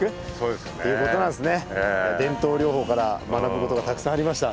伝統漁法から学ぶことがたくさんありました。